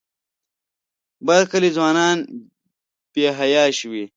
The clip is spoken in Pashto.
بر کلي ځوانان بې حیا شوي.